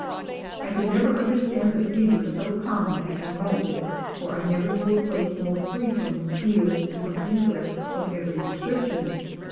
I could never understand the fever so common at Guanoco: for I never knew a place more free from mosquitoes and from insects of every description.